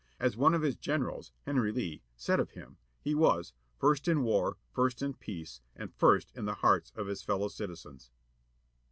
As one of his generals, [ j Henry Lee, said of him, he was, "First in war. First in peace, and First in ii Hi. the hearts of his fellow citizens."